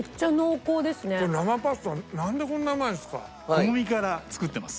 小麦から作っています